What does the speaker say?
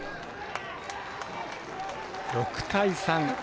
６対３。